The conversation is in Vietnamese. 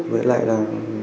với lại là